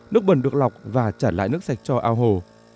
nước bẩn được lọc và trả lại nước sạch cho ao hồ